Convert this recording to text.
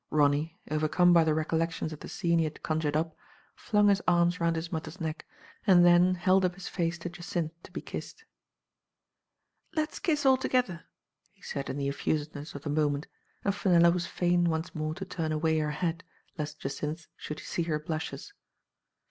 Ronny, over come by the recollections of the scene he had conjured up, flung his arms round his mother's neck and then held up his face to Jacynth to be Digitized by Google ' tasma:* 297 kissed. ''Let's kiss altogether,*' he said in the effusiveness of the moment, and Fenella was fain once more to turn away her head lest Jacynth should see her blushes.